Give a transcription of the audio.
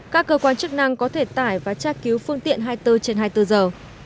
các cơ quan chức năng có thể tải và tra cứu phương tiện hai mươi bốn trên hai mươi bốn giờ